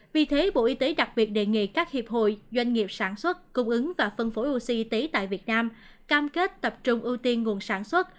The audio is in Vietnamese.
vì thế bộ y tế đặc biệt đề nghị các hiệp hội doanh nghiệp sản xuất cung ứng và phân phối oxy tại việt nam cam kết tập trung ưu tiên nguồn sản xuất